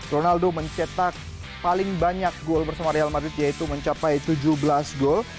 ronaldo mencetak paling banyak gol bersama real madrid yaitu mencapai tujuh belas gol